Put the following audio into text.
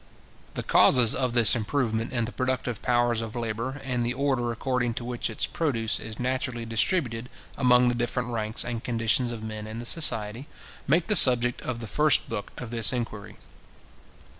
The causes of this improvement in the productive powers of labour, and the order according to which its produce is naturally distributed among the different ranks and conditions of men in the society, make the subject of the first book of this Inquiry.